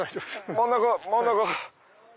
真ん中真ん中！